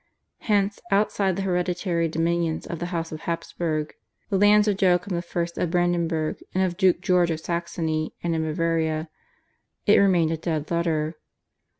Hence, outside the hereditary dominions of the House of Habsburg, the lands of Joachim I. of Brandenburg and of Duke George of Saxony, and in Bavaria, it remained a dead letter.